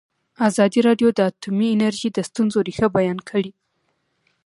ازادي راډیو د اټومي انرژي د ستونزو رېښه بیان کړې.